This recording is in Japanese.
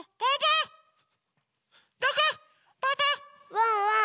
ワンワン